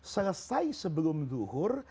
selesai sebelum zuhur